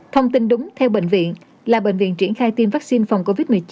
thông tin đúng theo bệnh viện là bệnh viện triển khai tiêm vaccine phòng covid một mươi chín